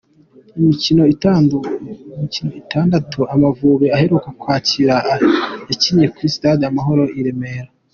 Imikino itandatu Amavubi aheruka kwakira yakiniye kuri sitade Amahoro i Remera.